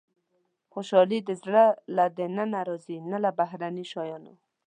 • خوشالي د زړه له دننه راځي، نه له بهرني شیانو.